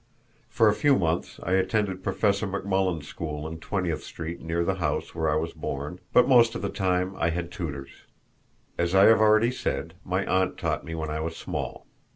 For a few months I attended Professor McMullen's school in Twentieth Street near the house where I was born, but most of the time I had tutors. As I have already said, my aunt taught me when I was small.